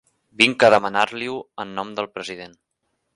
Vinc a demanar-li-ho en nom del president.